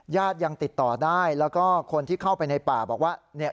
ญาติยังติดต่อได้แล้วก็คนที่เข้าไปในป่าบอกว่าเนี่ย